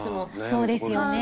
そうですよね。